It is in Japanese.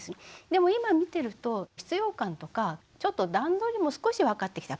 でも今見てると必要感とかちょっと段取りも少しわかってきた。